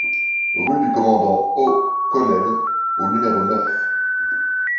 Rue du Commandant O Connel au numéro neuf